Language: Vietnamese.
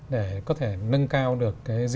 để có thể nâng cao được cái gdp quốc gia